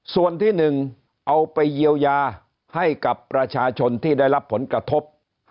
ส่วนที่๑เอาไปเยียวยาให้กับประชาชนที่ได้รับผลกระทบ